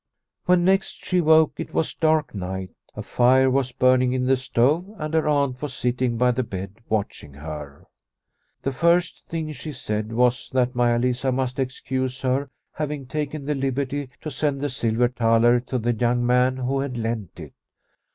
When next she woke it was dark night. A fire was burning in the stove, and her aunt was sitting by the bed watching her. The first thing she said was that Maia Lisa must excuse her having taken the liberty to send the silver thaler to the young man who had lent it.